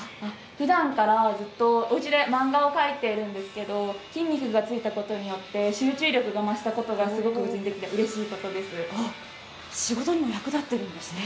ふだんから、ずっとうちで漫画を描いてるんですけれども、筋肉がついたことによって、集中力が増したことが、すごくうれしい仕事にも役立ってるんですね。